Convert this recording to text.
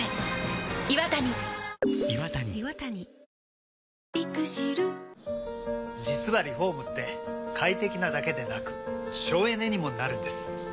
９月に入りましたが、実はリフォームって快適なだけでなく省エネにもなるんです。